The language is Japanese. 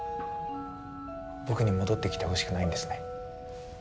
僕に戻ってきてほしくないんですね。